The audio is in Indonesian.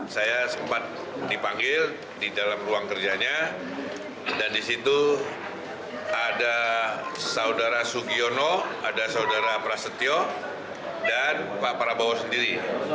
saya sempat dipanggil di dalam ruang kerjanya dan disitu ada saudara sugiono ada saudara prasetyo dan pak prabowo sendiri